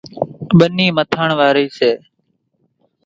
ٻنِي مٿاڻ وارِي سي۔